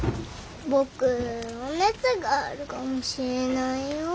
僕お熱があるかもしれないよ。